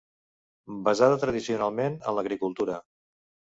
Basada tradicionalment en l'agricultura.